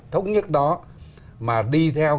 thống nhất đó mà đi theo